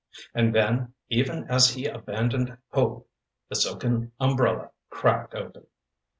And then, even as he abandoned hope, the silken umbrella cracked open.